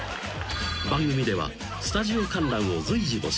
［番組ではスタジオ観覧を随時募集しています］